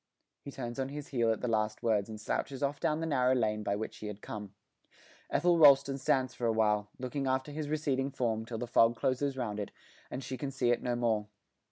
He turns on his heel at the last words and slouches off down the narrow lane by which he had come. Ethel Rolleston stands for a while, looking after his receding form till the fog closes round it and she can see it no more.